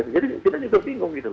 jadi kita juga bingung gitu